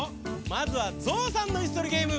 まずはゾウさんのいすとりゲーム。